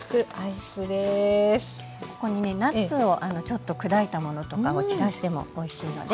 ここにねナッツをちょっと砕いたものとかを散らしてもおいしいので。